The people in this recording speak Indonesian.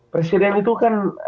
presiden itu kan